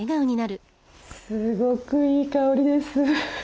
すごくいい香りです。